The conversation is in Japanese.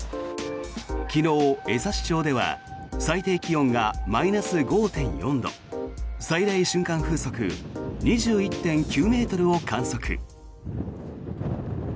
昨日、江差町では最低気温がマイナス５．４度最大瞬間風速２１．９ｍを観測。